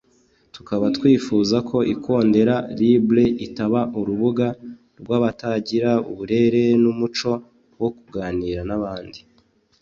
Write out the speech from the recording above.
tukaba twifuza ko ikondera libre itaba urubuga rw’abatagira uburere n’umuco wo kuganira n’abandi